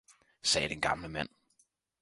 sagde den gamle mand.